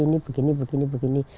ini begini begini begini